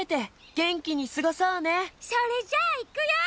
それじゃあいくよ。